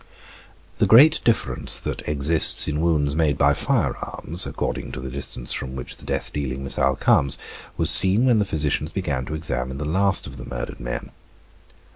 The great difference that exists in wounds made by firearms, according to the distance from which the death dealing missile comes, was seen when the physicians began to examine the last of the murdered men.